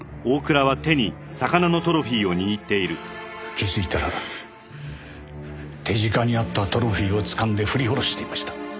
気づいたら手近にあったトロフィーをつかんで振り下ろしていました。